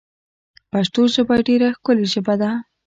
پشتو ژبه ډېره ښکولي ژبه ده